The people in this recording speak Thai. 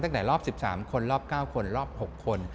ตั้งแต่รอบ๑๓คนรอบ๙คนรอบ๖คน